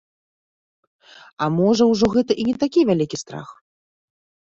А можа, ужо гэта і не такі вялікі страх?